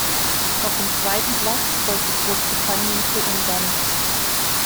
Auf dem zweiten Platz folgte Großbritannien vor Ungarn.